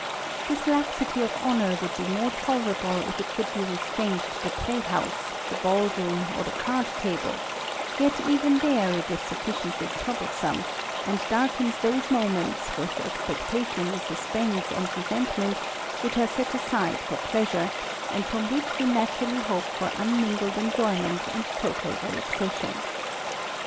This laxity of honour would be more tolerable, if it could be restrained to the play house, the ball room, or the card table ; yet even there it is sufficiently troublesome, and darkens those moments with expectation, suspense, and resentment, which are set aside for pleasure, and from which we naturally hope for unmingled enjoyment and total relaxation.